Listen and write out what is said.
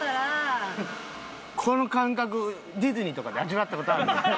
この感覚ディズニーとかで味わった事ある？